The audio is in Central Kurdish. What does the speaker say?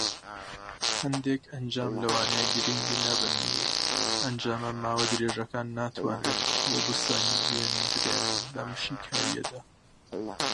هەندێک ئەنجام لەوانەیە گرینگ نەبن، و ئەنجامە ماوە درێژەکان ناتوانرێت هەڵبسەنگێندرێن لەم شیکاریەدا.